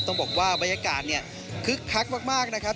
ต้องบอกว่าบรรยากาศเนี่ยคึกคักมากนะครับ